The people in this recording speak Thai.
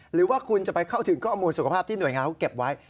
หรือว่าคุณจะไปเข้าถึงข้อมูลสุขภาพที่หน่วยงานเขาเก็บไว้